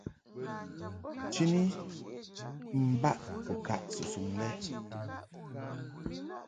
Chini ni baʼ kɨkaʼ susuŋ lɛ.